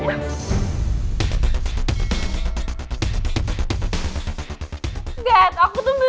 masalah kebutuhan kamu